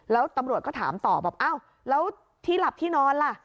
แล้วตำรวจก็ถามต่อบอกอ้าวแล้วที่หลับที่นอนล่ะ